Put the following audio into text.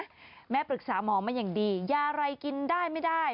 ทำโฉมมาอย่างดียาไรกินได้ไม่ได้